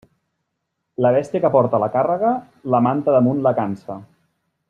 La bèstia que porta la càrrega, la manta damunt la cansa.